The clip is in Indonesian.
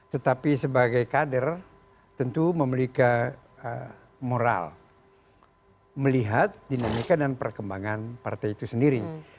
tetapi sebagai kader tentu memiliki moral melihat dinamika dan perkembangan partai itu sendiri